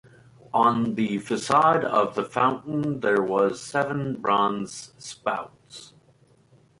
On the facade of the fountain there were seven bronze spouts.